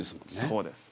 そうです。